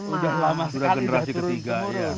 sudah generasi ketiga